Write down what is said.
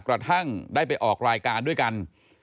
กระทั่งได้ไปออกรายการด้วยกัน